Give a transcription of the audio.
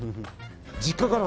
実家かな？